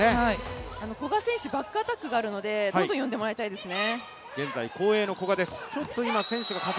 古賀選手、バックアタックがあるのでどんどん呼んでもらいたいですね。